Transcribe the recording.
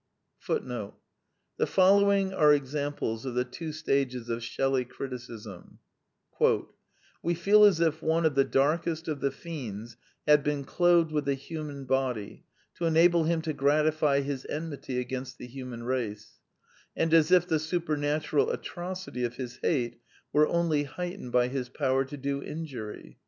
^* The following are examples of the two stages of Shelley criticism: "We feel as if one of the darkest of the fiends had been clothed with a human body to enable him to gratify his enmity against the human race, and as if the supernatural atrocity of his hate were only heightened by his power to do injury.